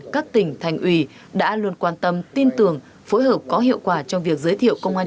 các tỉnh thành ủy đã luôn quan tâm tin tưởng phối hợp có hiệu quả trong việc giới thiệu công an